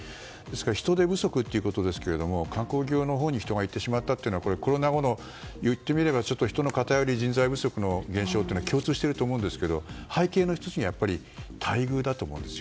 人手不足ということですが観光業に人が行ってしまったのはこれ、コロナ後の言ってみれば人の偏り人材不足の減少というのと共通していると思いますが背景の１つは待遇だと思うんです。